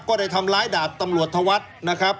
ก็ได้ทำร้ายดาบตำรวจธวัฒน์นะครับ